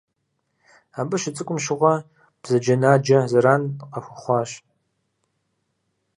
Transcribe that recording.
Абы щыцӏыкӏум щыгъуэ бзаджэнаджэ зэран къыхуэхъуащ.